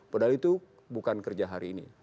padahal itu bukan kerja hari ini